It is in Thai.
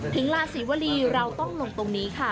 ลานศรีวรีเราต้องลงตรงนี้ค่ะ